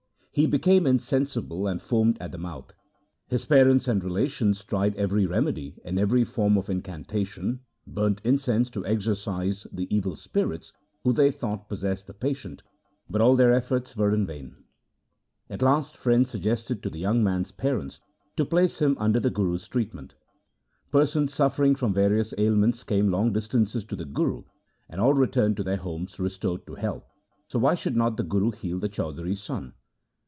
He became insensible and foamed at the mouth. His parents and relations tried every remedy and every form of incantation, burnt in cense to exorcise the evil spirits who they thought possessed the patient, but all their efforts were in vain. At last friends suggested to the young man's parents to place him under the Guru's treatment. Persons suffering from various ailments came long distances to the Guru, and all returned to their homes restored to health, so why should not the Guru heal the Chaudhri's son